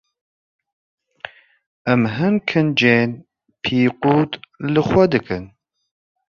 Em hin kincên pîqut li xwe dikin.